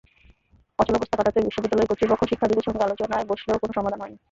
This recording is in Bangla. অচলাবস্থা কাটাতে বিশ্ববিদ্যালয় কর্তৃপক্ষ শিক্ষার্থীদের সঙ্গে আলোচনায় বসলেও কোনো সমাধান হয়নি।